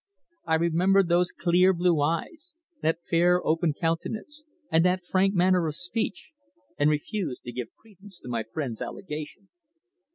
I remembered those clear blue eyes, that fair open countenance, and that frank manner of speech, and refused to give credence to my friend's allegation.